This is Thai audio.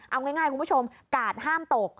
เอาง่ายคุณผู้ชมกาดห้ามตก